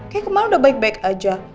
kayaknya kemarin udah baik baik aja